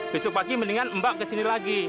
besok pagi mendingan mbak kesini lagi